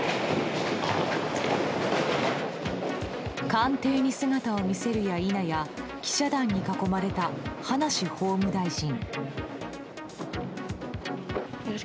官邸に姿を見せるや否や記者団に囲まれた葉梨法務大臣。